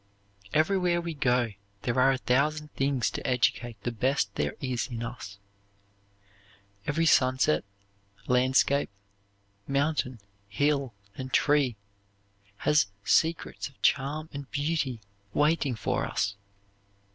Everywhere we go there are a thousand things to educate the best there is in us. Every sunset, landscape, mountain, hill, and tree has secrets of charm and beauty waiting for us.